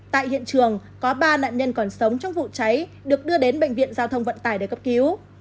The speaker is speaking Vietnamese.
tại hiện trường có ba nạn nhân còn sống trong vụ cháy được đưa đến bệnh viện giao thông vận tải để cấp cứu